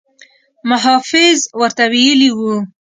محافظ ورته ویلي وو.